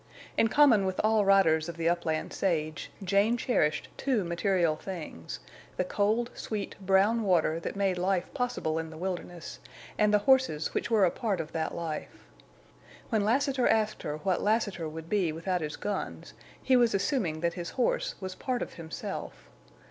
In common with all riders of the upland sage Jane cherished two material things—the cold, sweet, brown water that made life possible in the wilderness and the horses which were a part of that life. When Lassiter asked her what Lassiter would be without his guns he was assuming that his horse was part of himself.